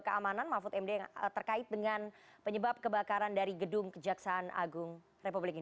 keamanan mahfud md yang terkait dengan penyebab kebakaran dari gedung kejaksaan agung republik ini